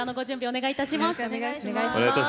お願いいたします。